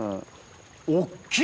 大っきい！